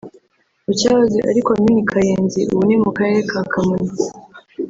mu cyahoze ari Komini Kayenzi ubu ni mu Karere ka Kamonyi